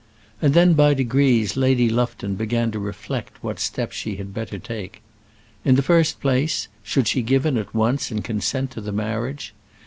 And then by degrees Lady Lufton began to reflect what steps she had better take. In the first place, should she give in at once, and consent to the marriage?